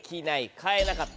変えなかった。